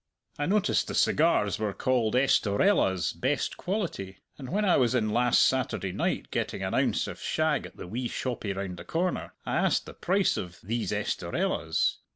I noticed the cigars were called 'Estorellas Best Quality,' and when I was in last Saturday night getting an ounce of shag at the wee shoppie round the corner, I asked the price of 'these Estorellas.'